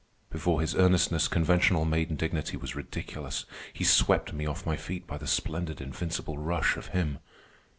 Before his earnestness conventional maiden dignity was ridiculous. He swept me off my feet by the splendid invincible rush of him.